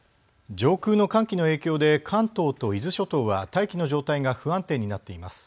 上空の寒気の影響で関東と伊豆諸島は大気の状態が不安定になっています。